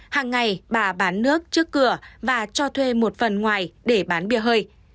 hàng ngày bà bán nước trước cửa và cho thuê một phần ngoài để bán bia hơi